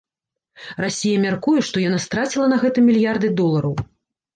Расія мяркуе, што яна страціла на гэтым мільярды долараў.